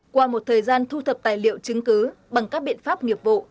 qua một thời gian thu thập tài liệu chứng cứ bằng các biện pháp nghiệp vụ